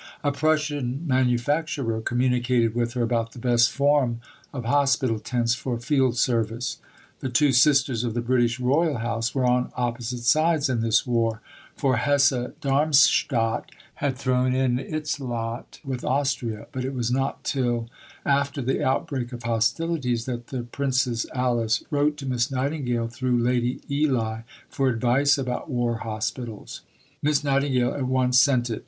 A Prussian manufacturer communicated with her about the best form of hospital tents for field service. The two sisters of the British Royal House were on opposite sides in this war, for Hesse Darmstadt had thrown in its lot with Austria; but it was not till after the outbreak of hostilities that the Princess Alice wrote to Miss Nightingale through Lady Ely for advice about war hospitals. Miss Nightingale at once sent it.